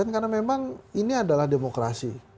karena memang ini adalah demokrasi